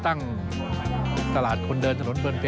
แกก็เลยได้โอกาสพรุ่งนี้ก็มีรายได้เพิ่มขึ้น